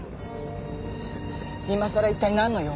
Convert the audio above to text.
今さら一体なんの用？